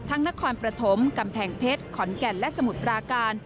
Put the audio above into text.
นครปฐมกำแพงเพชรขอนแก่นและสมุทรปราการ